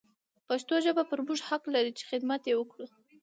پښتو ژبه پر موږ حق لري چې حدمت يې وکړو.